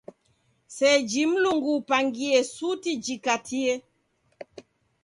Seji Mlungu upangie suti jikatie.